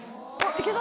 いけた？